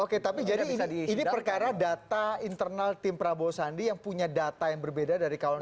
oke tapi jadi ini perkara data internal tim prabowo sandi yang punya data yang berbeda dari kawan kawan